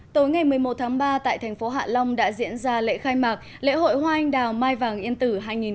tối ngày một mươi một tháng ba tại thành phố hạ long đã diễn ra lễ khai mạc lễ hội hoa anh đào mai vàng yên tử hai nghìn một mươi chín